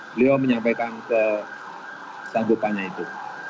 beliau menyampaikan kesanggupannya itu